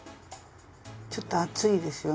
ちょっと厚いですよね？